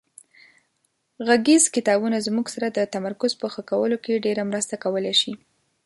غږیز کتابونه زموږ سره د تمرکز په ښه کولو کې ډېره مرسته کولای شي.